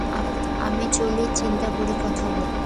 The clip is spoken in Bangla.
আমি চলি, চিন্তা করি, কথা বলি।